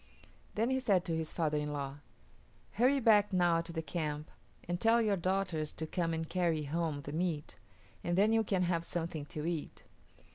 Then he said to his father in law, "Hurry back now to the camp and tell your daughters to come and carry home the meat, and then you can have something to eat."